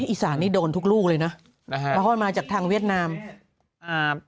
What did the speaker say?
อีสานนี่โดนทุกลูกเลยนะมาจากทางเวียดนาม